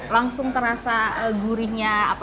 langsung terasa gurihnya